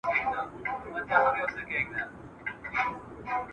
ستا دي خپل خلوت روزي سي پر کتاب که ډېوه ستړې .